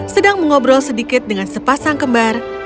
sedang mengobrol sedikit dengan sepasang kembar